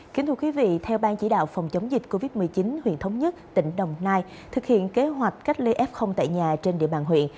kính thưa quý vị theo ban chỉ đạo phòng chống dịch covid một mươi chín huyện thống nhất tỉnh đồng nai thực hiện kế hoạch cách ly f tại nhà trên địa bàn huyện